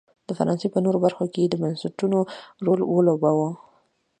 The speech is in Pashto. د فرانسې په نورو برخو کې یې د بنسټونو رول ولوباوه.